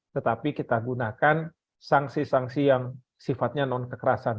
tetapi kita gunakan sanksi sanksi yang sifatnya non kekerasan